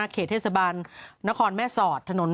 เขตเทศบาลนครแม่สอดถนน